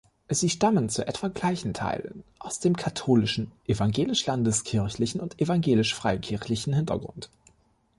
Sie stammen zu etwa gleichen Teilen aus dem katholischen, evangelisch-landeskirchlichen und evangelisch-freikirchlichen Hintergrund.